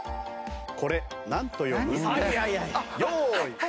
これなんと読む？用意。